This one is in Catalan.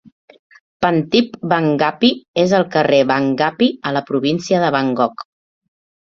Pantip Bangkapi és al carrer Bangkapi, a la província de Bangkok.